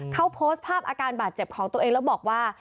เขาโพสต์ภาพอาการบาดเจ็บของตัวเองแล้วบอกว่า